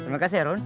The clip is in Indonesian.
makasih ya harun